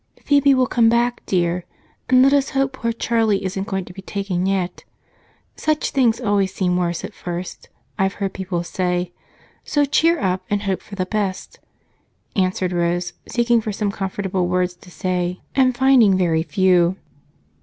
"Phebe will come back, dear, and let us hope poor Charlie isn't going to be taken yet. Such things always seem worst at first, I've heard people say, so cheer up and hope for the best," answered Rose, seeking for some comfortable words to say and finding very few.